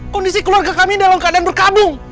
kondisi keluarga kami dalam keadaan berkabung